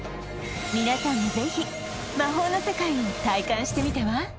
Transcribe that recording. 皆さんもぜひ魔法の世界を体感してみては？